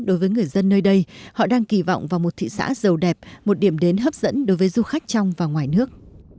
đối với người dân nơi đây họ đang kỳ vọng vào một thị xã giàu đẹp một điểm đến hấp dẫn đối với du khách trong và ngoài nước